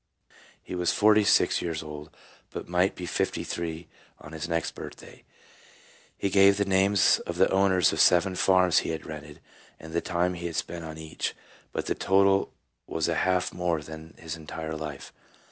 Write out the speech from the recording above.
He was forty six years old, but might be fifty three on his next birthday. He gave the names of the owners of seven farms he had rented and the time he had spent on each, but the total was a half more than his entire life.